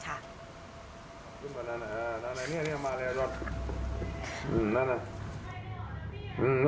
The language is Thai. ขึ้นไปนั่นนะนั่นนะนี่มาเลย